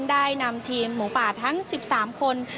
ได้นำทีมหมูป่าทั้ง๑๓คน